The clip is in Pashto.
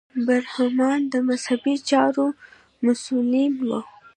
برهمنان د مذهبي چارو مسوولین وو.